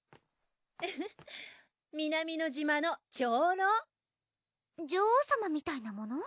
フフッ南乃島の長老女王さまみたいなもの？